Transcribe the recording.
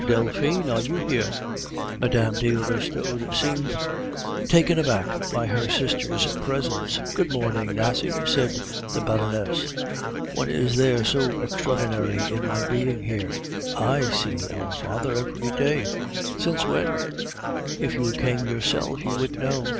Delphine, are you here?" Mme. de Restaud seemed taken aback by her sister's presence. "Good morning, Nasie," said the Baroness. "What is there so extraordinary in my being here? I see our father every day." "Since when?" "If you came yourself you would know."